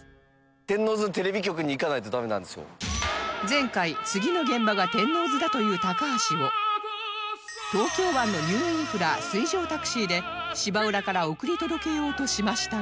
前回次の現場が天王洲だという高橋を東京湾のニューインフラ水上タクシーで芝浦から送り届けようとしましたが